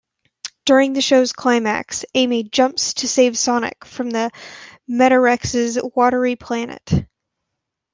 During the show's climax, Amy jumps to save Sonic from the Metarex's watery planet.